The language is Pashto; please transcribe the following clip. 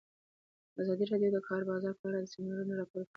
ازادي راډیو د د کار بازار په اړه د سیمینارونو راپورونه ورکړي.